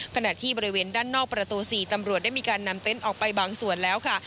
ขณะที่บริเวณด้านนอกประตู๔ตำรวจได้มีการนำเต็นต์ออกไปบางส่วนแล้วค่ะ